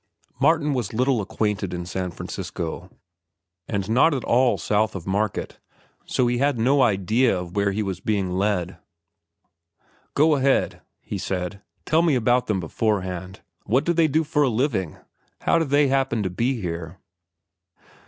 Martin was little acquainted in San Francisco, and not at all south of Market; so he had no idea of where he was being led. "Go ahead," he said; "tell me about them beforehand. What do they do for a living? How do they happen to be here?"